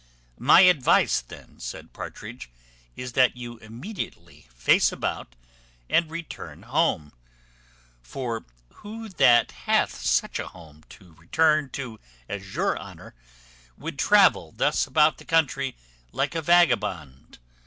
"My advice, then," said Partridge, "is, that you immediately face about and return home; for who that hath such a home to return to as your honour, would travel thus about the country like a vagabond?